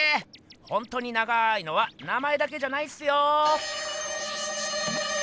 ほんとに長いのは名前だけじゃないっすよ。